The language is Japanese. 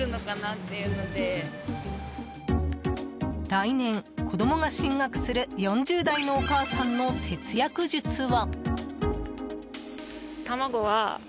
来年、子供が進学する４０代のお母さんの節約術は。